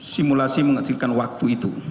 simulasi menghasilkan waktu itu